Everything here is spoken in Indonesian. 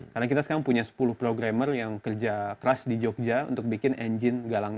karena kita sekarang punya sepuluh programmer yang kerja keras di jogja untuk bikin engine galang galang